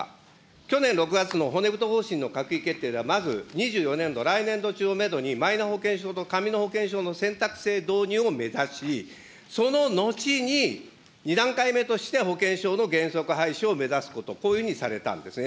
去年６月の骨太方針の閣議決定ではまず２４年度、来年度中をメドにマイナ保険証と紙の保険証の選択制の導入を目指し、その後に、２段階目として保険証の原則廃止を目指すこと、こういうふうにされたんですね。